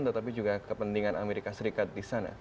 tetapi juga kepentingan amerika serikat di sana